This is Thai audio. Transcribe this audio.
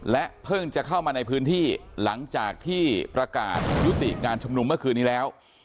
เพิ่งจะเข้ามาในพื้นที่หลังจากที่ประกาศยุติการชุมนุมเมื่อคืนนี้แล้ว